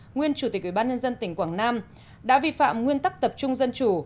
nguyên chủ tịch ubnd tỉnh quảng nam đã vi phạm nguyên tắc tập trung dân chủ